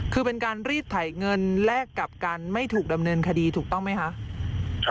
คือเป็นการรีดไถเงินแลกกับการไม่ถูกดำเนินคดีถูกต้องไหมคะ